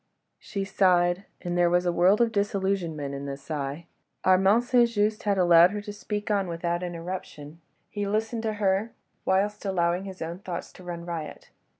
..." She sighed—and there was a world of disillusionment in that sigh. Armand St. Just had allowed her to speak on without interruption: he listened to her, whilst allowing his own thoughts to run riot.